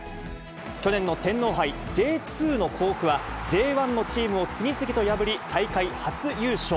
去年の天皇杯、Ｊ２の甲府は、Ｊ１のチームを次々と破り、大会初優勝。